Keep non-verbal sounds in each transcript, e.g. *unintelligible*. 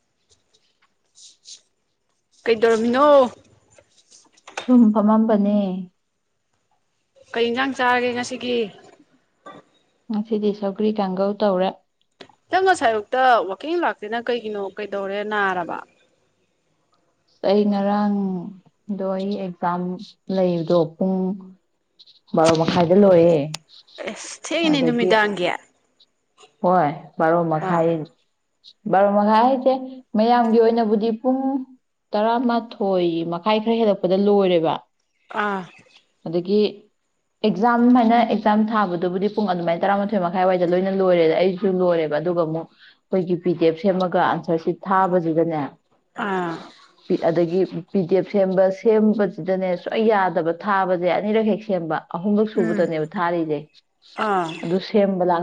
*inaudible* ꯀꯩꯗꯧꯔꯝꯃꯤꯅꯣ ꯁꯨꯝ ꯐꯝꯃꯝꯕꯅꯦ ꯀꯩ ꯏꯟꯁꯥꯡ ꯆꯥꯔꯒꯦ ꯉꯁꯤꯒꯤ ꯁꯤꯗꯤ ꯁꯧꯒ꯭ꯔꯤ ꯀꯥꯡꯒꯧ ꯇꯧꯔꯦ ꯁꯥꯏꯌꯨꯛꯇ ꯋꯥꯛꯀꯤꯡ ꯂꯥꯛꯇꯦꯅ ꯀꯩꯒꯤꯅꯣ ꯀꯩꯗꯧꯔꯦ ꯅꯥꯔꯕ ꯑꯩ ꯉꯔꯥꯡꯗꯣ ꯑꯩ ꯑꯦꯛꯖꯥꯝ ꯂꯩꯕꯗꯣ ꯄꯨꯡ ꯕꯥꯔꯣ ꯃꯈꯥꯏꯗ ꯂꯣꯏꯑꯦ ꯑꯁ ꯊꯦꯡ ꯉꯤꯅꯦ ꯅꯨꯃꯤꯗꯥꯪꯒꯤ ꯍꯣꯏ ꯕꯥꯔꯣ ꯃꯈꯥꯏ ꯕꯥꯔꯣ ꯃꯈꯥꯏ ꯍꯥꯏꯁꯦ ꯃꯌꯥꯝꯒꯤ ꯑꯣꯏꯅꯕꯨꯗꯤ ꯄꯨꯡ ꯇꯔꯥꯃꯥꯊꯣꯏ ꯃꯈꯥꯏ ꯈꯔ ꯍꯦꯜꯂꯛꯄꯗ ꯂꯣꯏꯔꯦꯕ ꯑ ꯑꯗꯒꯤ ꯑꯦꯛꯖꯥꯝ ꯍꯥꯏꯅ ꯑꯦꯛꯖꯥꯝ ꯊꯥꯕꯗꯨꯕꯨꯗꯤ ꯄꯨꯡ ꯑꯗꯨꯃꯥꯏꯅ ꯇꯔꯥꯃꯥꯊꯣꯏ ꯃꯈꯥꯏꯋꯥꯏꯗ ꯂꯣꯏ ꯂꯣꯏꯔꯦꯗ ꯑꯩꯁꯨ ꯂꯣꯏꯔꯦꯕ ꯑꯗꯨꯒ ꯑꯃꯨꯛ ꯑꯩꯈꯣꯏꯒꯤ ꯄꯤ ꯗꯤ ꯑꯦꯐ ꯁꯦꯝꯃꯒ ꯑꯟꯁꯔꯁꯤ ꯊꯥꯕꯁꯤꯗꯅꯦ ꯑꯥ ꯑꯗꯒꯤ ꯄꯤꯗꯤ ꯑꯦꯐ ꯁꯦꯝꯕ ꯁꯦꯝꯕꯁꯤꯗꯅꯦ ꯁꯨꯡꯛ ꯌꯥꯗꯕ ꯊꯥꯕꯁꯦ ꯑꯅꯤꯔꯛ ꯍꯦꯛ ꯁꯦꯝꯕ ꯑꯍꯨꯝꯂꯛ ꯎꯝ ꯁꯨꯕꯇꯅꯦꯕ ꯊꯥꯔꯤꯁꯦ ꯑꯥ ꯑꯗꯨ ꯁꯦꯝꯕ ꯂ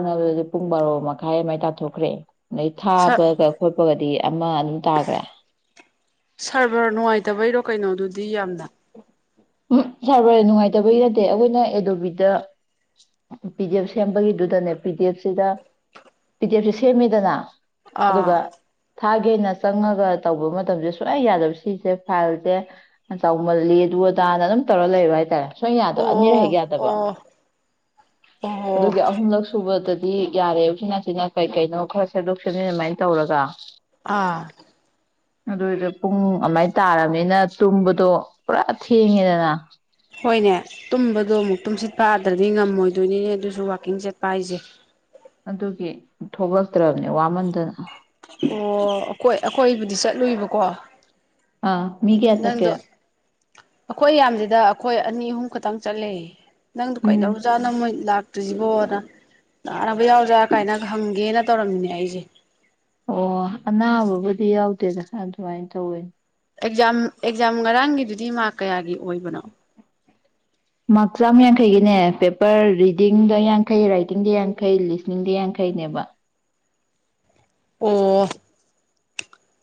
*unintelligible* ꯄꯨꯡ ꯕꯥꯔꯣ ꯃꯈꯥꯏ ꯑꯃꯥꯏ ꯇꯥꯊꯣꯛꯈ꯭ꯔꯦ ꯑꯗꯩ ꯁ ꯊꯥꯕꯒ ꯈꯣꯠꯄꯒꯗꯤ ꯑꯃ ꯑꯗꯨꯝ ꯇꯥꯈ꯭ꯔꯦ ꯗꯤ ꯌꯥꯝꯅ ꯎꯝ ꯁꯥꯔꯕꯔ ꯅꯨꯡꯉꯥꯏꯇꯕꯒꯤ ꯅꯠꯇꯦ ꯑꯩꯈꯣꯏꯅ ꯑꯦꯗꯣꯕꯤꯗ ꯄꯤ ꯗꯤ ꯑꯦꯐ ꯁꯦꯝꯕꯒꯤꯗꯨꯗꯅꯦ ꯄꯤ ꯗꯤ ꯑꯦꯐꯁꯤꯗ ꯄꯤ ꯗꯤ ꯑꯦꯐꯁꯤ ꯁꯦꯝꯃꯤꯗꯅ ꯑꯥ ꯊꯥꯒꯦꯅ ꯆꯪꯉꯒ ꯇꯧꯕ ꯃꯇꯝꯁꯦ ꯁꯨꯡꯛꯌꯥ ꯌꯥꯗꯕ ꯁꯤꯁꯦ ꯐꯥꯏꯜꯁꯦ ꯆꯥꯎꯃꯜꯂꯤ ꯑꯗꯨ ꯑꯗꯥ ꯑꯗꯨꯝ ꯇꯧꯔ ꯂꯩꯕ ꯍꯥꯏꯇꯥꯔꯦ ꯁꯣꯏ ꯌꯥꯗꯕ ꯑꯅꯤꯔꯛ ꯍꯦꯛ ꯑꯣ ꯌꯥꯗꯕ ꯑꯣ ꯑꯣ ꯑꯣ ꯑꯗꯨꯒꯤ ꯑꯍꯨꯝꯂꯛ ꯁꯨꯕꯗꯗꯤ ꯗꯤ ꯌꯥꯔꯦ ꯍꯧ ꯁꯤꯅ ꯅꯥꯁꯤꯅ ꯀꯩ ꯀꯩꯅꯣ ꯈꯔ ꯁꯦꯝꯗꯣꯛ ꯁꯦꯝꯖꯤ ꯑꯗꯨꯃꯥꯏꯅ ꯇꯧꯔꯒ ꯑꯥ ꯑꯗꯨꯗ ꯄꯨꯡ ꯑꯃꯥꯏꯅ ꯇꯥꯔꯕꯅꯤꯅ ꯇꯨꯝꯕ ꯗꯣ ꯍꯣꯏꯅꯦ ꯇꯨꯝꯕꯗꯣ ꯑꯃꯨꯛ ꯇꯨꯝꯁꯤ ꯄꯥꯗ꯭ꯔꯗꯤ ꯉꯝꯃꯣꯏꯗꯣꯏꯅꯤꯅꯦ ꯑꯗꯨꯁꯨ ꯋꯥꯛꯀꯤꯡ ꯆꯠꯄ ꯍꯥꯏꯁꯦ ꯑꯗꯨꯒꯤ ꯊꯣꯛꯂꯛꯇ꯭ꯔꯕꯅꯦ ꯋꯥꯃꯟꯗꯅ ꯑꯣ ꯑꯈꯣꯏ ꯑꯩꯈꯣꯏꯕꯨꯗꯤ ꯆꯠꯂꯨꯏꯕꯀꯣ ꯑ ꯃꯤꯀꯌꯥ ꯆꯠꯀꯦ ꯅꯪꯗꯣ ꯑꯩꯈꯣꯏ ꯌꯥꯝꯁꯤꯗ ꯑꯩꯈꯣꯏ ꯑꯅꯤ ꯑꯍꯨꯝ ꯈꯛꯇꯪ ꯆꯠꯂꯦ ꯅꯪꯗꯣ ꯎꯝ ꯀꯩꯗꯧꯔ꯭ꯖꯠꯅꯣ ꯃꯣꯏ ꯂꯥꯛ ꯇꯔꯤꯁꯤꯕꯣꯗꯅ ꯀꯥꯟꯅꯕ ꯌꯥꯎꯗ꯭ꯔꯥ ꯀꯥꯏꯅ ꯍꯪꯒꯦꯅ ꯇꯧꯔꯝꯃꯤꯅꯦ ꯑꯩꯁꯦ ꯑꯣ ꯑꯅꯥꯕꯕꯨꯗꯤ ꯌꯥꯎꯗꯦꯗ ꯑꯗꯨꯃꯥꯏꯅ ꯇꯧꯋꯦꯅꯦ ꯑꯦꯛꯖꯥꯝ ꯑꯦꯛꯖꯥꯝ ꯉꯔꯥꯡꯒꯤꯗꯨꯗꯤ ꯃꯥꯛ ꯀꯌꯥꯒꯤ ꯑꯣꯏꯕꯅ‌ꯣ ꯃꯥꯔꯛ ꯆꯥꯝꯃ ꯌꯥꯡꯈꯩꯒꯤꯅꯦ ꯄꯦꯄꯔ ꯔꯤꯗꯤꯡꯗ ꯌꯥꯡꯈꯩ ꯔꯥꯏꯇꯤꯡꯗ ꯌꯥꯡꯈꯩ ꯂꯤꯁꯅꯤꯡꯗ ꯌꯥꯡꯈꯩꯅꯦꯕ ꯑꯣ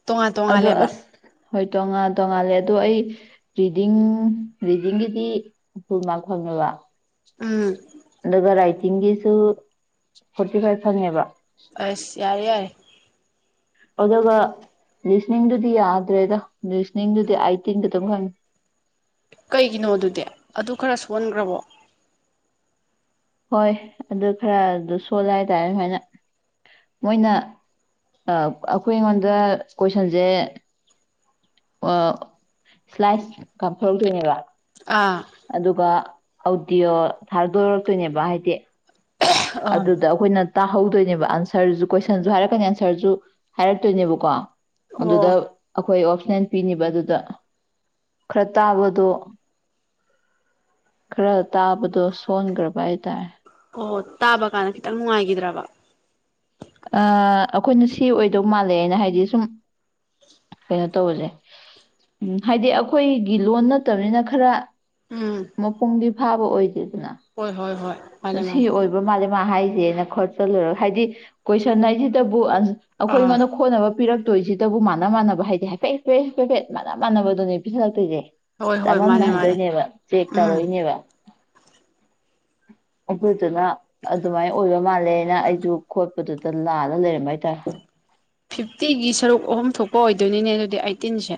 ꯇꯣꯉꯥꯟ ꯑꯗꯣ ꯇꯣꯡꯉꯥꯜꯂꯦꯕ ꯑꯁ ꯍꯣꯏ ꯇꯣꯉꯥꯟ ꯇꯣꯉꯥꯜꯂꯦ ꯑꯗꯣ ꯑꯩ ꯔꯤꯗꯤꯡ ꯔꯤꯗꯤꯡꯒꯤꯗꯤ ꯐꯨꯜꯃꯥꯔꯛ ꯐꯪꯉ‌ꯦꯕ ꯎꯝ ꯒ ꯔꯥꯏ ꯇꯤꯡꯒꯤꯁꯨ ꯐꯣꯔꯇꯤ ꯐꯥꯏꯚ ꯐꯪꯉꯦꯕ ꯑꯁ ꯌꯥꯔꯦ ꯌꯥꯔ‌ꯦ ꯑꯗꯨꯒ ꯂꯤꯁꯅꯤꯡꯗꯨꯗꯤ ꯌꯥꯗ꯭ꯔꯦꯗ ꯂꯤꯁꯅꯤꯡꯗꯨꯗꯤ ꯑꯥꯏꯇꯤꯟ ꯈꯛꯇ‌ꯪ ꯐ‌ꯪꯉ‌ꯦ ꯀꯩꯒꯤꯅꯣ ꯑꯗꯨꯗꯤ ꯑꯗꯨ ꯈꯔ ꯁꯣꯟꯈ꯭ꯔꯕꯣ ꯍꯣꯏ ꯑꯗꯨ ꯈꯔ ꯑꯗꯨ ꯁꯣꯜꯂꯦ ꯍꯥꯏꯇꯥꯔꯦ ꯁꯨꯃꯥꯏꯅ ꯃꯣꯏꯅ ꯑꯩꯈꯣꯏ ꯑꯩꯉꯣꯟꯗ ꯀꯣꯏꯁꯟꯁꯦ ꯑꯣ ꯁ꯭ꯂꯥꯏꯁ ꯀꯥꯞꯊ‌ꯣꯔꯛꯇꯣꯏꯅꯦꯕ ꯑꯥ ꯑꯗꯨꯒ ꯑ‌ꯣꯗꯤꯌꯣ ꯊꯥꯗꯣꯔꯛꯇꯣꯏꯅꯦꯕ ꯍꯥꯏꯗꯤ ꯑꯥ ꯑꯗꯨꯗ ꯑꯩꯈꯣꯏꯅ ꯇꯥꯍꯧꯗꯣꯏꯅꯦꯕ ꯑꯟꯁꯔꯁꯨ ꯀꯣꯏꯁꯟꯁꯨ ꯍꯥꯏꯔꯛꯀꯅꯤ ꯑꯟꯁꯔꯁꯨ ꯍꯥꯏꯔꯛꯇꯣꯏꯅꯦꯕꯀꯣ ꯑꯣ ꯑꯗꯨꯗ ꯑꯩꯈꯣꯏ ꯑ‌ꯣꯞꯁꯟ ꯄꯤꯅꯤꯕ ꯑꯗꯨꯗ ꯈꯔ ꯇꯥꯕꯗꯣ ꯈꯔ ꯇꯥꯕꯗꯣ ꯁꯣꯟꯈ꯭ꯔꯕ ꯍꯥꯏꯇꯥꯔꯦ ꯇꯥꯕꯀꯥꯟꯗ ꯈꯤꯇꯪ ꯅꯨꯡꯉꯥꯏꯈꯤꯗ꯭ꯔꯕ ꯑꯩꯈꯣꯏꯅ ꯁꯤ ꯑꯣꯏꯗꯧ ꯃꯥꯜꯂꯦꯅ ꯍꯥꯏꯗꯤ ꯁꯨꯝ ꯀꯩꯅꯣ ꯇꯧꯕꯁꯦ ꯎꯝ ꯍꯥꯏꯗꯤ ꯑꯩꯈꯣꯏꯒꯤ ꯂꯣꯟ ꯅꯠꯇꯕꯅꯤꯅ ꯈꯔ ꯎꯝ ꯃꯄꯨꯡꯗꯤ ꯐꯥꯕ ꯑꯣꯏꯗꯦꯗ ꯍꯣꯏ ꯍꯣꯏ ꯍꯣꯏ ꯃꯥꯅꯦ ꯉꯁꯤ ꯃꯥꯅꯦ ꯑꯣꯏꯕ ꯃꯥꯂꯦꯝ ꯍꯥꯏꯁꯦꯅ ꯈ‌ꯣꯠꯆꯤꯂꯨꯔ ꯍꯥꯏꯗꯤ ꯀꯣꯏꯁꯟ ꯍꯥꯏꯁꯤꯗꯕꯨ ꯑꯩꯈꯣꯏ ꯑꯥ ꯑꯩꯉꯣꯟꯗ ꯈꯣꯠꯅꯕ ꯄꯤꯔꯛ ꯇꯣꯏꯁꯤꯗꯕꯨ ꯃꯥꯥꯟꯅ ꯃꯥꯟꯅꯕ ꯍꯥꯏꯗꯤ ꯍꯥꯏꯐꯦꯠꯐꯦꯠ ꯃꯥꯥꯟꯅ ꯃꯥꯟꯅꯕꯗꯨꯅꯦ ꯄꯤꯁꯜꯂꯛꯇꯣꯏꯁꯦ ꯍꯣꯏ ꯍꯣꯏ ꯃꯥꯅꯦ ꯃꯥꯅꯦ ꯆꯃꯝꯅꯍꯟꯗꯣꯏꯅꯦꯕ ꯆꯦꯛ ꯎꯝ ꯇꯧꯔꯛꯏꯅꯦꯕ ꯑꯩꯈꯣꯏꯗꯨꯅ ꯑꯗꯨꯃꯥꯏꯅ ꯑꯣꯏꯕ ꯃꯥꯜꯂꯦꯅ ꯑꯩꯁꯨ ꯈꯣꯠꯄꯗꯨꯗ ꯂꯥꯟꯂ ꯂꯩꯔꯝꯃ‌ꯦꯕ ꯐꯤꯐꯇꯤꯒꯤ ꯁꯔꯨꯛ ꯑꯍꯨꯝ ꯊꯣꯛꯄ ꯑꯣꯏ ꯗꯨꯏꯅꯤꯅꯦ ꯑꯗꯨꯗꯤ ꯑꯩꯠꯇꯤꯟꯁꯦ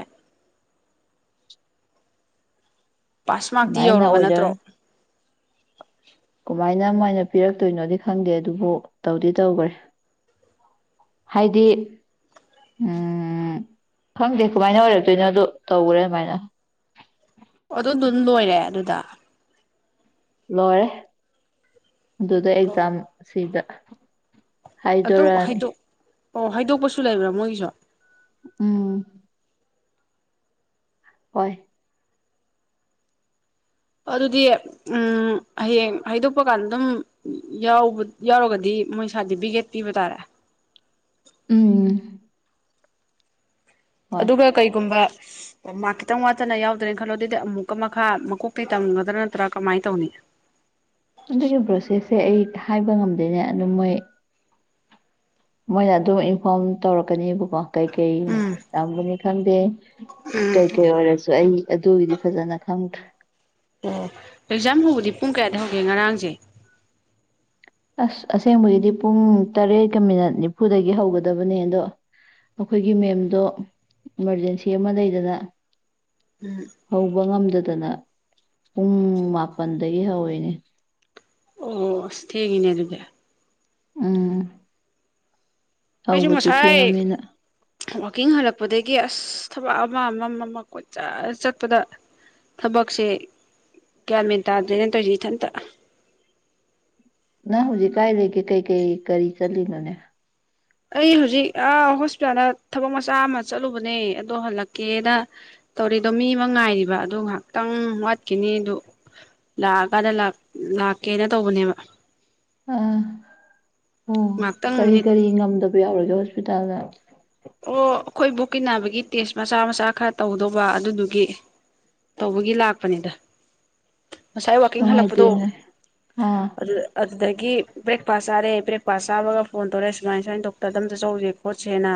ꯄꯥꯁꯃꯔꯛꯇꯤ ꯑꯗꯨꯃꯥꯏꯅ ꯌꯧꯔꯕ ꯑꯣꯏꯔ ꯅꯠꯇ꯭ꯔꯣ ꯀꯃꯥꯏꯅ ꯃꯥꯏꯅ ꯄꯤꯔꯛꯇꯣꯏꯅꯣꯗꯤ ꯈꯪꯗꯦ ꯑꯗꯨꯕꯨ ꯇꯧꯗꯤ ꯇꯧꯈ꯭ꯔꯦ ꯍꯥꯏꯗꯤ ꯎ ꯈꯪꯗꯦ ꯀꯃꯥꯏꯅ ꯑꯣꯏꯔꯛꯇꯣꯏꯅꯣ ꯑꯗꯨ ꯇꯧꯈ꯭ꯔꯦ ꯑꯗꯨꯃꯥꯏꯅ ꯑꯗꯨꯝ ꯑꯗꯨꯝ ꯂꯣꯏꯔꯦ ꯑꯗꯨꯗ ꯂꯣꯏ ꯑꯗꯨꯗ ꯑꯦꯛꯖꯥꯝ ꯁꯤꯗ ꯑꯗꯨꯝ ꯍꯥꯏꯗꯔꯅꯤ ꯍꯥꯏꯗꯣꯛ ꯑꯣ ꯍꯥꯏꯗꯣꯛꯄꯁꯨ ꯂꯩꯕ꯭ꯔꯥ ꯃꯣꯏꯒꯤꯁꯨ ꯎꯝ ꯍꯣꯏ ꯑꯗꯨꯗꯤ ꯎ ꯍꯌꯦꯡ ꯍꯥꯏꯩꯗꯣꯛꯄ ꯀꯥꯟꯗ ꯑꯗꯨꯝ ꯌꯥꯎꯔꯒꯗꯤ ꯃꯣꯏ ꯁꯥꯔꯇꯤꯐꯤꯀꯦꯠ ꯄꯤꯕ ꯇꯥꯔꯦ ꯎꯝ ꯍꯣꯏ ꯑꯗꯨꯒ ꯀꯩꯒꯨꯝꯕ ꯃꯥ ꯈꯤꯇꯪ ꯋꯥꯠꯇꯅ ꯌꯥꯎꯗ꯭ꯔꯦꯅ ꯈꯜꯂꯣ ꯑꯗꯨꯗꯤ ꯑꯃꯨꯛꯀ ꯃꯈꯥ ꯃꯀꯣꯛꯄꯤ ꯇꯝꯒꯗ꯭ꯔꯥ ꯅꯠꯇ꯭ꯔꯥ ꯀꯃꯥꯏꯅ ꯇꯧꯅꯤ ꯑꯗꯨꯒꯤ ꯄ꯭ꯔꯣꯁꯦꯁꯁꯦ ꯑꯩ ꯍꯥꯏꯕ ꯉꯝꯗꯣꯏꯅꯦ ꯑꯗꯨꯝ ꯃꯣꯏ ꯃꯣꯏꯅ ꯑꯗꯨꯝ ꯏꯟꯐꯣꯔꯝ ꯇꯧꯔꯛꯀꯅꯦꯕꯀꯣ ꯀꯩ ꯀꯩ ꯎꯝ ꯌꯥꯝꯒꯅꯤ ꯈꯪꯗꯦ ꯎꯝ ꯀꯩ ꯀꯩ ꯋꯥꯔꯁꯨ ꯑꯩ ꯑꯗꯨꯒꯤꯗꯤ ꯐꯖꯅ ꯈꯪꯗ꯭ꯔꯦ ꯑꯣ ꯑꯦꯛꯖꯥꯝ ꯍꯧꯕꯗꯤ ꯄꯨꯡ ꯀꯌꯥꯗ ꯍꯧꯒꯦ ꯉꯔꯥꯡꯁꯦ ꯑꯁ ꯑꯁꯦꯡꯕꯒꯤꯗꯤ ꯄꯨꯡ ꯇꯔꯦꯠꯀ ꯃꯤꯅꯠ ꯅꯤꯐꯨꯗꯒꯤ ꯍꯧꯒꯗꯕꯅꯦ ꯑꯗꯣ ꯑꯩꯈꯣꯏꯒꯤ ꯃꯦꯝꯗꯣ ꯏꯃꯥꯔꯖꯦꯟꯁꯤ ꯑꯃ ꯂꯩꯗꯅ ꯍꯧꯕ ꯉꯝꯗꯗꯦ ꯠꯇꯅ ꯄꯨꯡ ꯃꯥꯄꯜꯗꯒꯤ ꯍꯧꯋꯏꯅꯦ ꯑꯣ ꯊꯦꯡꯒꯤꯅꯦ ꯑꯗꯨꯗ ꯎꯝ ꯍꯧꯕꯁꯨ ꯊꯦꯡꯉꯃꯤꯅ ꯋꯥꯋꯥꯛꯀꯤꯡ ꯍꯜꯂꯛꯄꯗꯒꯤ ꯑꯁ ꯊꯕꯛ ꯑꯃ ꯑꯃꯝ ꯑꯃ ꯀꯣꯏꯆ ꯆꯠꯄꯗ ꯊꯕꯛꯁꯦ ꯀꯒ꯭ꯌꯥꯃꯦꯟ ꯇꯥꯗ꯭ꯔꯦꯅ ꯇꯧꯔꯤꯁꯤ ꯏꯊꯟꯇ ꯅꯪ ꯍꯧꯖꯤꯛ ꯀꯥꯏ ꯂꯩꯒꯦ ꯀꯩ ꯀꯩ ꯀꯔꯤ ꯆꯠꯂꯤꯅꯣꯅꯦ ꯑꯩ ꯍꯧꯖꯤꯛ ꯍꯣꯁꯄꯤꯇꯥꯜꯗ ꯊꯕꯛ ꯃꯆꯥ ꯑꯃ ꯆꯠꯂꯨꯕꯅꯦ ꯑꯗꯣ ꯍꯜꯂꯛꯀꯦꯅ ꯇꯧꯔꯤꯗꯣ ꯃꯤ ꯑꯃ ꯉꯥꯏꯔꯤꯕ ꯑꯗꯨ ꯉꯥꯏꯍꯥꯛꯇꯪ ꯋꯥꯠꯈꯤꯅꯤ ꯑꯗꯨ ꯂꯥꯛꯑꯀꯥꯟꯗ ꯂꯥꯛꯀꯦꯅ ꯇꯧꯕꯅꯦꯕ ꯑꯥ ꯑꯣ ꯉꯥꯏꯍꯥꯛꯇꯪ ꯀꯔꯤ ꯃꯤꯅꯤꯠ ꯀꯔꯤ ꯉꯝꯗꯕ ꯌꯥꯎꯔꯒꯦ ꯍꯧꯖꯤꯛ ꯍꯣꯁꯄꯤꯇꯥꯜꯗ ꯑꯣ ꯑꯩꯈꯣꯏ ꯕꯕꯨꯛꯀꯤꯟꯅꯅꯥꯕꯒꯤ ꯇꯦꯁ ꯃꯆꯥ ꯃꯆꯥ ꯈꯔ ꯇꯧꯗꯧꯕ ꯑꯗꯨꯗꯨꯒꯤ ꯇꯧꯕꯒꯤ ꯂꯥꯛꯄꯅꯤꯗ ꯉꯁꯥꯏ ꯑꯁ ꯋꯥꯀꯤꯡ ꯍꯜꯂꯛꯄꯗꯣ ꯅꯨꯡꯉꯥꯏꯇꯦꯅꯦ ꯑꯥ ꯑꯗꯨ ꯑꯗꯨꯗꯒꯤ ꯕ꯭ꯔꯦꯛꯐꯥꯁ ꯆꯥꯔꯦ ꯕ꯭ꯔꯦꯛ ꯀꯀꯥ ꯆꯥꯕꯒ ꯐꯣꯟ ꯇꯧꯔꯛꯦꯨꯃꯥꯏ ꯁꯨꯃꯥꯏꯅ ꯗꯣꯛꯇꯔꯗꯝꯇ ꯆꯧꯁꯦ ꯈꯣꯠꯁꯦꯅ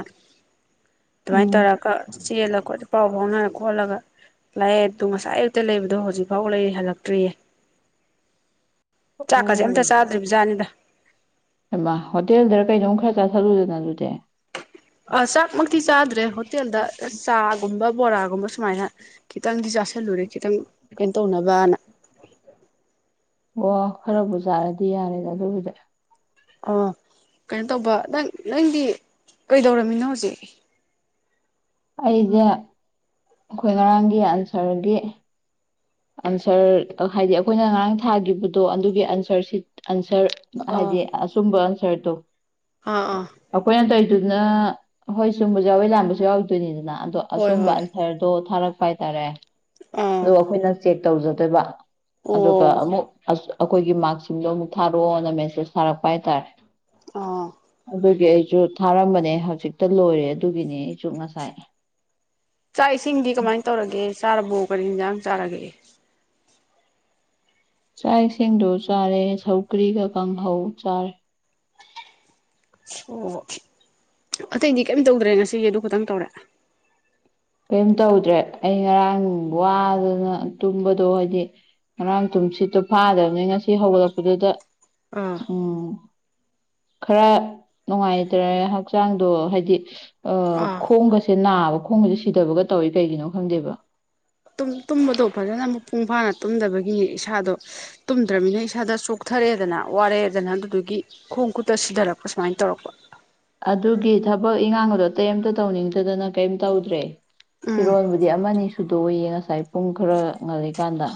ꯑꯗꯨꯃꯥꯏꯅ ꯎꯝ ꯇꯧꯔꯒ ꯆꯦꯜꯂ ꯈꯣꯗ ꯄꯥꯎ ꯐꯥꯎꯅꯔꯛꯄ ꯈꯣꯠꯂꯒ ꯂꯥꯏꯌꯦꯠꯇꯨ ꯉꯁꯥꯏ ꯑꯨꯛꯇ ꯂꯩꯕꯗꯣ ꯍꯧꯖꯤꯛꯐꯥꯎ ꯂꯩꯔꯤ ꯍꯜꯂꯛꯇ꯭ꯔꯤꯌꯦ ꯆꯥꯛꯀꯁꯦ ꯑꯝꯇ ꯆꯥꯗ꯭ꯔꯤꯕ ꯖꯥꯠꯅꯤꯗ ꯃ ꯍꯣꯇꯦꯜꯗ ꯀꯩꯗꯧꯝ ꯈꯔ ꯆꯥꯊꯠꯂꯨꯗꯅ ꯑꯗꯨꯗꯤ ꯑ ꯆꯞ ꯤ ꯆꯥꯗ꯭ꯔꯦ ꯍꯣꯇꯦꯜꯗ ꯆꯥꯒꯨꯝꯕ ꯕꯣꯔꯥꯒꯨꯝꯕ ꯁꯨꯃꯥꯏꯅ ꯀ ꯑꯪꯗꯤ ꯆꯁꯦ ꯂꯨꯔꯦ ꯈꯤꯇꯪ ꯀꯩꯅꯣ ꯇꯧꯅꯕꯅ ꯑꯣ ꯈꯔꯕꯨ ꯆꯥꯔꯗꯤ ꯌꯥꯔꯦꯗ ꯑꯗꯨꯒꯤꯗ ꯑꯣ ꯀꯩꯅꯣ ꯇꯧꯕ ꯅꯪ ꯅꯪꯗꯤ ꯀꯩꯗꯧꯔꯝꯃꯤꯅꯣ ꯍꯧꯖꯤꯛ ꯑꯩꯖ ꯑꯩꯈꯣꯏ ꯉꯔꯥꯡꯒꯤ ꯑꯟꯁꯔꯒꯤ ꯑꯟꯁꯔ ꯍꯥꯏꯗꯤ ꯑꯩꯈꯣꯏꯅ ꯉꯔꯥꯡ ꯊꯥꯒꯤꯈꯤꯕꯗꯣ ꯑꯗꯨꯒꯤ ꯑꯟꯁꯔꯁꯤ ꯑꯟꯁꯔ ꯑꯥ ꯍꯥꯏꯗꯤ ꯑꯆꯨꯝꯕ ꯑꯟꯁꯔ ꯇꯣ ꯑꯥ ꯑꯥ ꯑꯈꯣꯏ ꯇ ꯑꯗꯨꯅ ꯍꯣꯏ ꯁꯨꯝꯕꯁꯨ ꯌꯥꯎꯋꯦ ꯂꯥꯟꯕꯁꯨ ꯌꯥꯎꯔꯗꯣꯏꯅꯤꯗꯅ ꯑꯗꯣ ꯍꯣꯏ ꯑꯁꯨꯝꯕ ꯍꯣꯏ ꯑꯟꯁꯔꯗꯣ ꯊꯥꯔꯛꯄ ꯍꯥꯏꯥꯏ ꯇꯔꯦ ꯑꯥ ꯑꯗꯣ ꯑꯩꯈꯣꯏꯅ ꯍꯦꯛ ꯇꯧꯖꯗꯣꯏꯕ ꯑꯣ ꯑꯗꯨꯒ ꯑꯩꯈꯣꯏꯒꯤ ꯃꯥꯔꯁꯤꯡꯗꯣ ꯑꯃꯨꯛ ꯊꯥꯔꯛꯑꯣꯅ ꯃꯦꯆꯦꯁ ꯊꯥꯔꯛꯄ ꯍꯥꯏꯇꯥꯔꯦ ꯑꯥ ꯑꯗꯨꯗꯒꯤ ꯁꯨ ꯊꯥꯔꯝꯕꯅꯦ ꯍꯧꯖꯤꯛꯇ ꯂꯣꯏꯔꯦ ꯑꯗꯨꯒꯤꯅꯦ ꯑꯁꯨ ꯉꯁꯥꯏ ꯆꯥꯛ ꯏꯁꯤꯡꯗꯤ ꯀꯃꯥꯏꯅ ꯇꯧꯔꯒꯦ ꯆꯥꯔꯕꯣꯛ ꯄꯔꯤ ꯏꯟꯁꯥꯡ ꯆꯥꯔꯒꯏ ꯆꯥꯛ ꯏꯁꯤꯡꯗꯣ ꯆꯥꯔꯦ ꯁꯧꯀ꯭ꯔꯤꯒ ꯀꯥꯡꯍꯧ ꯆꯥꯔꯦ ꯑꯣ ꯑꯇꯩꯗꯤ ꯀꯩꯝ ꯇꯧꯗ꯭ꯔꯦ ꯉꯁꯤꯒꯤ ꯑꯗꯨ ꯈꯇꯪ ꯇꯧꯔꯦ ꯀꯔꯤꯝ ꯇꯧꯗ꯭ꯔꯦ ꯑꯩ ꯉꯔꯥꯡ ꯋꯥꯗꯅ ꯇꯨꯝꯕꯗꯣ ꯍꯥꯏꯗꯤ ꯉꯔꯥꯡ ꯇꯨꯝ ꯁꯤꯠꯇꯣ ꯐꯥꯗꯕꯅꯤ ꯉꯁꯤ ꯍꯧꯒꯠꯂꯛꯄꯗꯨꯗ ꯑꯥ ꯎꯝ ꯈꯔ ꯅꯨꯡꯉꯥꯏꯇ꯭ꯔꯦ ꯍꯛꯆꯥꯡꯗꯣ ꯍꯥꯏꯗꯤ ꯑꯥ ꯈꯣꯡꯒꯁꯦ ꯅꯥꯕ ꯈꯣꯡꯒꯁꯦ ꯊꯤꯗꯕꯒ ꯇꯧꯋꯤ ꯀꯩꯒꯤꯅꯣ ꯈꯪꯗꯦꯕ ꯇꯨꯝꯕꯗꯣ ꯐꯖꯅ ꯃꯄꯨꯡ ꯐꯥꯅ ꯇꯨꯝꯗꯕꯒꯤꯅꯤ ꯏꯁꯥꯗꯣ ꯇꯨꯝꯗ꯭ꯔꯕꯅꯤꯅ ꯏꯁꯥꯗꯣꯛ ꯊꯔꯛꯦꯗꯅ ꯋꯥꯔꯛꯦꯗꯅ ꯑꯗꯨꯗꯨꯒꯤ ꯈꯣꯡ ꯈꯨꯠꯇ ꯁꯤꯙꯔꯛꯄ ꯁꯨꯃꯥꯏꯅ ꯇꯧꯔꯛꯄ ꯑꯗꯨꯒꯤ ꯊꯕꯛ ꯏꯉꯥꯡ ꯑꯗꯣ ꯑꯇꯩꯩꯝꯇ ꯇꯧꯅꯤꯡꯗꯗꯅ ꯀꯩꯝ ꯇꯧꯗ꯭ꯔꯦ ꯎꯝ ꯐꯤꯔꯣꯜꯕꯨꯗꯤ ꯑꯃꯅꯤ ꯊꯣꯏꯗꯣꯛꯌꯦ ꯉꯁꯥꯏ ꯄꯨꯡ ꯈꯔ ꯉꯜꯂꯤꯀꯥꯟꯗ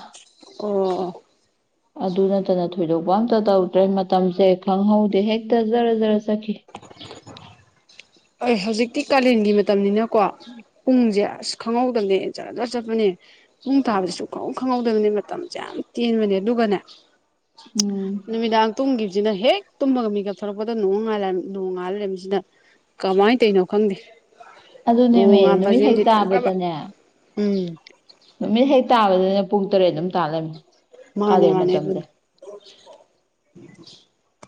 ꯑꯣ ꯑꯗꯨ ꯅꯠꯇꯅ ꯊꯣꯏꯗꯣꯛꯄ ꯑꯝꯇ ꯇꯧꯗ꯭ꯔꯦ ꯃꯇꯝꯁꯦ ꯈꯪꯍꯧꯗꯦ ꯍꯦꯛꯇ ꯖꯔ ꯖꯔ ꯆꯠꯈꯤ ꯍ ꯍꯧꯖꯤꯛꯇꯤ ꯀꯥꯂꯦꯟꯒꯤ ꯃꯇꯝꯅꯤꯅꯀꯣ ꯄꯨꯡꯁꯦ ꯑꯁ ꯈꯪꯍꯧꯗꯕꯅꯦꯟ ꯆꯠꯖ ꯆꯠꯄꯅꯦ ꯄꯨꯡ ꯇꯥꯕꯗꯁꯨ ꯈꯪꯍꯧ ꯈꯪꯍꯧꯗꯕꯅꯦ ꯃꯇꯝꯁꯦ ꯌꯥꯝ ꯇꯦꯟꯕꯅꯦ ꯑꯗꯨꯒꯅꯦ ꯎꯝ ꯅꯨꯃꯤꯗꯥꯡ ꯇꯨꯝꯈꯤꯕꯁꯤꯅ ꯍꯦꯛ ꯇꯨꯝꯃꯒ ꯃꯤꯀꯞ ꯊꯣꯔꯛꯄꯗ ꯅꯣꯡ ꯅꯣꯡ ꯉꯥꯜ ꯂꯩꯔꯝꯃꯤꯁꯤꯗ ꯀꯃꯥꯏꯅ ꯇꯅꯣ ꯈꯪꯗꯦ ꯑꯣ ꯑꯗꯨꯅꯦꯃꯦ ꯅꯨꯃꯤꯠ ꯍꯦꯛ ꯉꯥꯟꯕꯁꯦꯝꯗꯤ ꯊꯣꯛꯈ꯭ꯔꯕ ꯇꯥꯕꯗꯅꯦ ꯎꯝ ꯅꯨꯃꯤꯠ ꯍꯦꯛ ꯇꯥꯕꯗꯨꯅ ꯄꯨꯡ ꯇꯔꯦꯠ ꯑꯗꯨꯝ ꯇꯥꯜꯂꯝꯃꯤ ꯃꯥꯅꯦ ꯃꯥꯅꯦ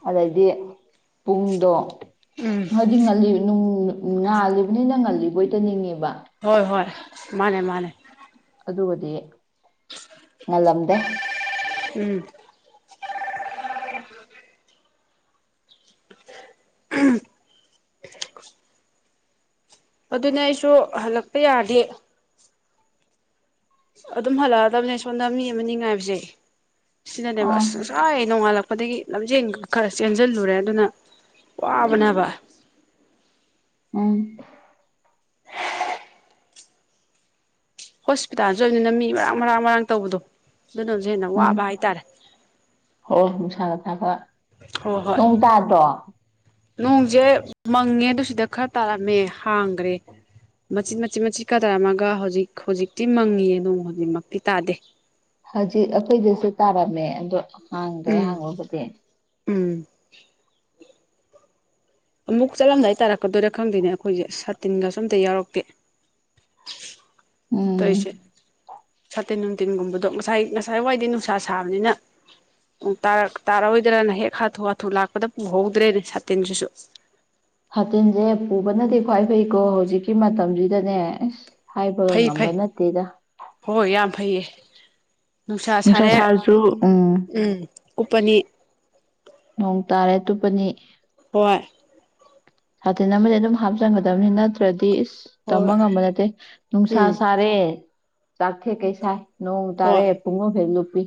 ꯑꯗꯩꯗꯤ ꯄꯨꯡꯗꯣ ꯎꯝ ꯍꯥꯏꯗꯤ ꯉꯜꯂꯤꯅꯨꯡ ꯉꯥꯜꯂꯤꯕꯅꯤ ꯅꯪ ꯉꯜꯂꯤ ꯣꯏꯉꯕ ꯍꯣꯏ ꯍꯣꯏ ꯃꯥꯅꯦ ꯃꯥꯅꯦ ꯑꯗꯨꯒꯗꯤ ꯉꯜꯂꯝꯗꯦ ꯎꯝ ꯎꯝ ꯑꯗꯨꯅꯦ ꯑꯩꯁꯨ ꯍꯜꯂꯛꯄ ꯌꯥꯗꯦ ꯑꯗꯨꯝ ꯍꯜꯂꯛꯑꯗꯕꯅꯦ ꯁꯣꯝꯗ ꯃꯤ ꯑꯃꯅꯤ ꯉꯥꯏꯕꯁꯦ ꯁꯤꯅꯅꯦꯕ ꯑꯥ ꯑꯁ ꯉꯁꯥꯏ ꯅꯣꯡꯉꯥꯜꯂꯛꯄꯗꯒꯤ ꯂꯝꯖꯦꯟ ꯈꯔ ꯆꯦꯟꯁꯤꯜꯂꯨꯔꯦ ꯑꯗꯨꯅ ꯋꯥꯕꯅꯕ ꯎꯝ ꯍꯣꯁꯄꯤꯇꯥꯜꯁꯨ ꯑꯣꯏꯕꯅꯤꯅ ꯃꯤ ꯃꯔꯥꯡ ꯃꯔꯥꯡ ꯃꯔꯥꯡ ꯇꯧꯕꯗꯣ ꯑꯗꯨꯅꯁꯨ ꯍꯦꯟꯅ ꯎꯝ ꯋꯥꯕ ꯍꯥꯏꯇꯥꯔꯦ ꯍ ꯍ ꯁꯒ ꯑꯕ ꯍꯣꯏ ꯍꯣꯏ ꯅꯣꯡꯁꯦ ꯃꯪꯉꯦ ꯑꯗꯨ ꯁꯤꯗ ꯈꯔ ꯇꯥꯔꯝꯃꯦ ꯍꯥꯡꯈ꯭ꯔꯦ ꯃꯆꯤꯟꯠ ꯃꯆꯤꯠ ꯃꯆꯤꯠ ꯈꯔ ꯇꯥꯔꯝꯃꯒ ꯍꯧꯖꯤꯛ ꯍꯧꯖꯤꯛꯇꯤ ꯃꯪꯉꯤꯌꯦ ꯅꯣꯡ ꯍꯧꯖꯤꯛꯃꯛꯇꯤ ꯇꯥꯗꯦ ꯍꯧꯖꯤꯈꯣꯏꯁꯦ ꯇꯥꯔꯥ ꯃ ꯍꯥꯡꯗ꯭ꯔꯦ ꯎꯝ ꯍꯥꯡꯉꯕꯗꯤ ꯎꯝ ꯑꯃꯨꯛ ꯆꯠꯂꯝꯗꯥꯏ ꯇꯥꯔꯛꯀꯗꯣꯏꯔꯥ ꯈꯪꯗꯣꯏꯅꯦ ꯑꯩꯈꯣꯏꯁꯦ ꯁꯥꯇꯤꯟꯒꯁꯨ ꯑꯝꯇ ꯌꯥꯎꯔꯛꯇꯦ ꯇꯧꯔꯤꯁꯦ ꯎꯝ ꯁꯥꯇꯤꯟ ꯅꯨꯡꯊꯤꯟꯒꯨꯝꯕꯗꯣ ꯉꯁꯥꯏ ꯉꯁꯥꯏ ꯋꯥꯏꯗꯤ ꯅꯨꯡꯁꯥ ꯁꯥꯕꯅꯤꯅ ꯇꯥꯔꯔꯣꯏꯗ꯭ꯔꯅ ꯍꯦꯛ ꯍꯥꯊꯨ ꯍꯥꯊꯨ ꯂꯥꯛꯄꯗ ꯄꯨꯍꯧꯗ꯭ꯔꯦꯅꯦ ꯁꯥꯇꯤꯟꯁꯤꯁꯨ ꯍꯥꯇꯤꯟꯁꯦ ꯄꯨꯕꯅꯗꯤ ꯈ꯭ꯋꯥꯏ ꯐꯩꯀꯣ ꯍꯧꯖꯤꯛꯀꯤ ꯃꯇꯝꯁꯤꯗꯅꯦ ꯑ ꯐꯩ ꯐꯩ ꯍꯣꯏ ꯌꯥꯝ ꯐꯩꯌꯦ ꯅꯨꯡꯁꯥ ꯁꯥꯔꯦ ꯎꯝ ꯎꯞꯄꯅꯤ ꯅꯣꯡ ꯇꯥꯔꯦ ꯇꯨꯞꯄꯅꯤ ꯍꯣꯏ ꯁꯥꯇꯤꯟ ꯑꯃꯗꯤ ꯑꯗꯨꯝ ꯍꯥꯞꯆꯟꯒꯗꯕꯅꯤ ꯅꯠꯇ꯭ꯔꯗꯤ ꯇꯝꯕ ꯍꯣꯏ ꯉꯝꯕ ꯅꯠꯇꯦ ꯅꯨꯡꯁꯥ ꯎꯝ ꯁꯥꯔꯦ ꯑꯥꯊꯦ ꯀꯩꯁꯥꯏ ꯅꯣꯡ ꯍꯣꯏ ꯇꯥꯔꯦ ꯄꯨꯡꯉ ꯐꯦꯂꯨ ꯄꯤ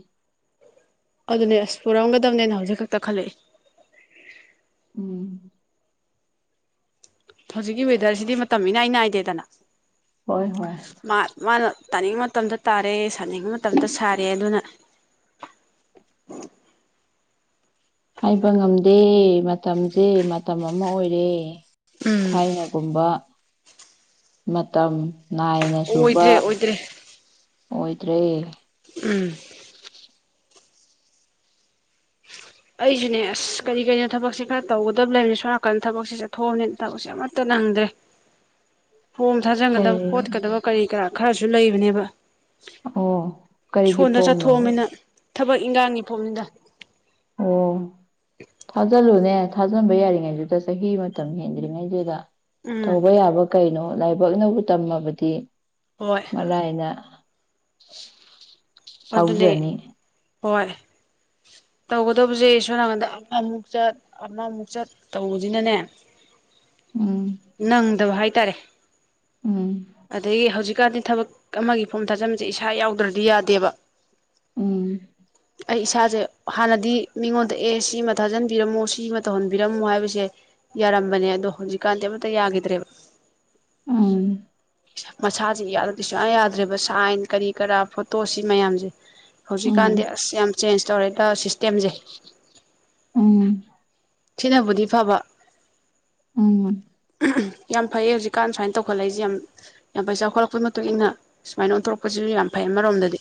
ꯑꯗꯨꯅꯦ ꯑꯁ ꯄꯨꯔꯝꯒꯗꯕꯅꯦꯅ ꯍꯧꯖꯤꯛ ꯈꯛꯇ ꯈꯜꯂꯛꯏ ꯎꯝ ꯍꯧꯖꯤꯛꯀꯤ ꯋꯦꯗꯔꯖꯤꯗꯤ ꯃꯇꯝ ꯏꯅꯥꯏ ꯅꯥꯏꯗꯦꯗꯅ ꯍꯣꯏ ꯍꯣꯏ ꯃꯥ ꯃꯥꯅ ꯇꯥꯅꯤꯡꯕ ꯃꯇꯝꯗ ꯇꯥꯔꯦ ꯁꯥꯅꯤꯡꯕ ꯃꯇꯝꯗ ꯁꯥꯔꯦ ꯑꯗꯨꯅ ꯎ *inaudible* ꯍꯥꯏꯕ ꯉꯝꯗꯦ ꯃꯇꯝꯖꯦ ꯃꯇꯝ ꯑꯃ ꯑꯣꯏꯔꯦ ꯎꯝ ꯊꯥꯏꯅꯒꯨꯝꯕ ꯃꯇꯝ ꯅꯥꯏꯅ ꯆꯨꯕ ꯑꯣꯏꯗ꯭ꯔꯦ ꯑꯣꯏꯗ꯭ꯔꯦ ꯑꯣꯏꯗ꯭ꯔꯦ ꯎꯝ ꯑꯩꯖꯨꯅꯦ ꯑꯁ ꯀꯔꯤ ꯀꯔꯤꯅꯣ ꯊꯕꯛꯁꯦ ꯈꯔ ꯇꯧꯒꯗꯕ ꯂꯩꯕꯅꯤ ꯁꯣꯅꯥꯀꯥꯟꯗ ꯊꯕꯛꯁꯦ ꯆꯠꯊꯣꯛꯑꯕꯅꯤꯅ ꯊꯕꯛꯁꯦ ꯑꯃꯠꯇ ꯅꯪꯗ꯭ꯔꯦ ꯐꯣꯝ ꯊꯥꯖꯤꯟꯒꯗꯕ ꯀꯔꯤ ꯈꯣꯠꯀꯗꯕ ꯀꯔꯤ ꯀꯔꯥ ꯈꯔꯁꯨ ꯂꯩꯕꯅꯦꯕ ꯑꯣ ꯀꯔꯤꯒꯤ ꯁꯣꯟꯗ ꯐꯔꯣꯝꯅꯣ ꯆꯠꯊꯣꯛꯑꯃꯤꯅ ꯊꯕꯛ ꯏꯟꯒꯥꯡꯒꯤ ꯐꯔꯣꯝꯅꯤꯗ ꯑꯣ ꯊꯥꯖꯂꯨꯅꯦ ꯊꯥꯖꯟꯕ ꯌꯥꯔꯤꯉꯩꯗꯨꯗ ꯆꯍꯤ ꯃꯇꯝ ꯍꯦꯟꯗ꯭ꯔꯤꯉꯩꯗꯨꯗ ꯎꯝ ꯇꯧꯕ ꯌꯥꯕ ꯀꯩꯅꯣ ꯂꯥꯏꯕꯛꯅꯕꯨ ꯇꯝꯃꯕꯗꯤ ꯍꯣꯏ ꯃꯂꯥꯏꯅ *inaudible* ꯑꯗꯨꯅꯦ ꯐꯥꯎꯖꯅꯤ ꯍꯣꯏ ꯇꯧꯒꯗꯧꯕꯖꯦ ꯁꯣ ꯅꯥꯀꯟꯗ ꯑꯃ ꯑꯃꯨꯛ ꯆꯠ ꯑꯃꯅ ꯑꯃꯨꯛ ꯆꯠ ꯇꯧꯕꯖꯤꯅꯅꯦ ꯎꯝ ꯅꯪꯗꯕ ꯍꯥꯏ ꯇꯥꯔꯦ ꯎꯝ ꯑꯗꯩ ꯍꯧꯖꯤꯛ ꯀꯥꯟꯗꯤ ꯊꯕꯛ ꯑꯃꯒꯤ ꯐꯣꯝ ꯊꯥꯖꯟꯕꯖꯦ ꯏꯁꯥ ꯌꯥꯎꯗ꯭ꯔꯗꯤ ꯌꯥꯗꯦꯕ ꯎꯝ ꯑꯩ ꯏꯁꯥꯖꯦ ꯍꯥꯟꯅꯗꯤ ꯃꯤꯉꯣꯟꯗ ꯑꯦ ꯁꯤꯃ ꯊꯥꯖꯟꯕꯤꯔꯝꯃꯣ ꯁꯤꯃ ꯇꯧꯍꯟꯕꯤꯔꯝꯃꯣ ꯍꯥꯏꯕꯁꯦ ꯌꯥꯔꯝꯕꯅꯦ ꯑꯗꯣ ꯍꯧꯖꯤꯛꯀꯥꯟꯗꯤ ꯑꯃꯇ ꯌꯥꯒꯤꯗ꯭ꯔꯦꯕ ꯎꯝ ꯃꯁꯥꯁꯦ ꯌꯥꯗꯗꯤ ꯁꯨꯡꯌꯥ ꯌꯥꯗ꯭ꯔꯦꯕ ꯁꯥꯏꯟ ꯀꯔꯤ ꯀꯔꯥ ꯐꯣꯇꯣ ꯁꯤ ꯃꯌꯥꯝꯁꯦ *inaudible* ꯎꯝ ꯍꯧꯖꯤꯛꯀꯥꯟꯗꯤ ꯑꯁ ꯌꯥꯝ ꯆꯦꯟꯖ ꯇꯧꯔꯦꯗ ꯁꯤꯁꯇꯦꯝꯁꯦ ꯎꯝ ꯊꯤꯟꯅꯕꯨꯗꯤ ꯐꯕ ꯎꯝ ꯌꯥꯝ ꯐꯩꯌꯦ ꯍꯧꯖꯤꯛꯀꯥꯟ ꯁꯨꯃꯥꯏꯅ ꯇꯧꯈꯠꯂꯛꯏꯁꯦ ꯌꯥꯝ ꯄꯩꯁ ꯆꯥꯎꯈꯠꯂꯛꯄꯒꯤ ꯃꯇꯨꯡ ꯏꯟꯅ ꯁꯨꯃꯥꯏꯅ ꯑꯣꯟꯊꯣꯔꯛꯄꯁꯤꯁꯨ ꯌꯥꯝ ꯐꯩ ꯑꯃꯔꯣꯝꯗꯗꯤ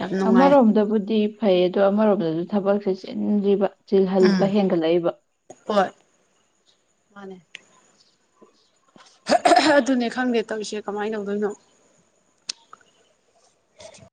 ꯌꯥꯝ ꯅꯨꯡꯉꯥꯏ ꯑꯃꯔꯣꯝꯗꯕꯨꯗꯤ ꯐꯩ ꯑꯗꯣ ꯑꯃꯔꯣꯝꯗ ꯊꯕꯛꯁꯦ ꯆꯦꯟ꯭ꯔꯤꯕ ꯆꯤꯜꯍꯟꯕ ꯎꯝ ꯍꯦꯟꯒꯠꯂꯛꯏꯕ ꯍꯣꯏ ꯃꯥꯅꯦ ꯑꯗꯨꯅꯦ ꯈꯪꯗꯦ ꯇꯧꯔꯤꯁꯦ ꯀꯃꯥꯏꯅ ꯇꯧꯗꯣꯏꯅꯣ